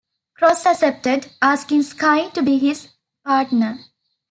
Cross accepted, asking Sky to be his partner.